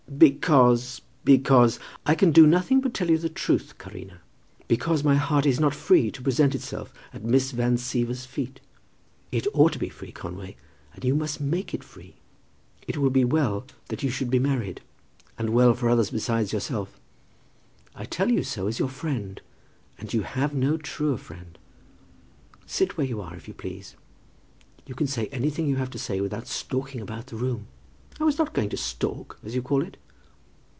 "Because, because . I can do nothing but tell you the truth, carina; because my heart is not free to present itself at Miss Van Siever's feet." "It ought to be free, Conway, and you must make it free. It will be well that you should be married, and well for others besides yourself. I tell you so as your friend, and you have no truer friend. Sit where you are, if you please. You can say anything you have to say without stalking about the room." "I was not going to stalk, as you call it."